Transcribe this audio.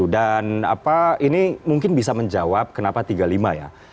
dan ini mungkin bisa menjawab kenapa tiga puluh lima ya